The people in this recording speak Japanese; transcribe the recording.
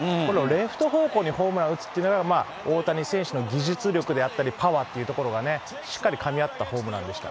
レフト方向にホームラン打つっていうのが、大谷選手の技術力であったり、パワーというところがね、しっかりかみ合ったホームランでした。